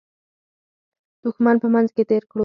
دښمن په منځ کې تېر کړو.